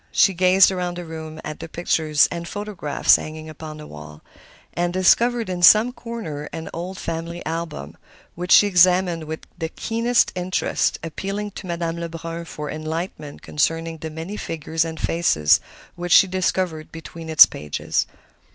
She gazed around the room at the pictures and photographs hanging upon the wall, and discovered in some corner an old family album, which she examined with the keenest interest, appealing to Madame Lebrun for enlightenment concerning the many figures and faces which she discovered between its pages.